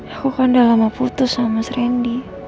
aku kan udah lama putus sama mas randy